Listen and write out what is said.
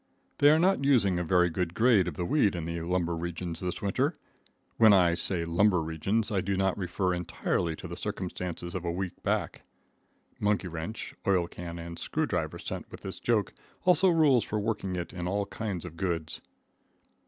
They are not using a very good grade of the weed in the lumber regions this winter. When I say lumber regions I do not refer entirely to the circumstances of a weak back. (Monkey wrench, oil can and screwdriver sent with this joke; also rules for working it in all kinds of goods.)